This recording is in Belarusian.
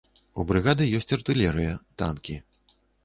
У брыгады ёсць артылерыя, танкі.